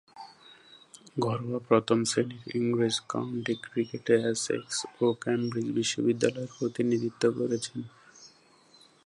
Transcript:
ঘরোয়া প্রথম-শ্রেণীর ইংরেজ কাউন্টি ক্রিকেটে এসেক্স ও কেমব্রিজ বিশ্ববিদ্যালয়ের প্রতিনিধিত্ব করেছেন।